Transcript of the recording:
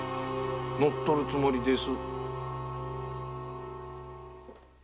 乗っ取るつもりです。